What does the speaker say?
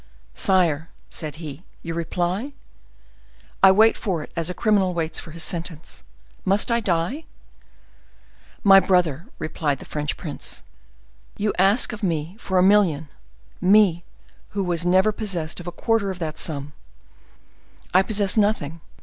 "Sire," said he, "your reply? I wait for it as a criminal waits for his sentence. Must I die?" "My brother," replied the French prince, "you ask of me for a million—me, who was never possessed of a quarter of that sum! I possess nothing.